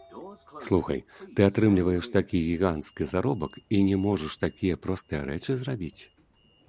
Слухай, ты атрымліваеш такі гіганцкі заробак і не можаш такія простыя рэчы зрабіць!